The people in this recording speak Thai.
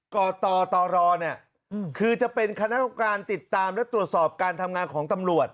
กตรคือจะเป็นคณะการติดตามและตรวจสอบการทำงานของตำรวจ